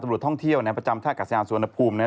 ตำรวจท่องเที่ยวประจำท่ากัศยานสุวรรณภูมิ